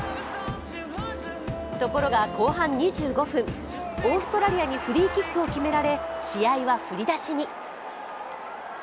ところが後半２５分、オーストラリアにフリーキックを決められ、試合は振り出しに。